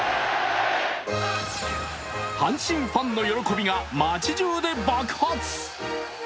阪神ファンの喜びが街じゅうで爆発。